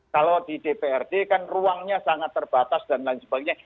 kalau di dprd kan ruangnya sangat terbatas dan lain sebagainya